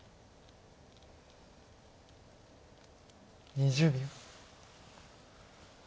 ２０秒。